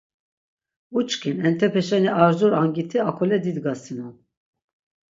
Uçkin, entepe şeni ar jur angiti akole didgasinon.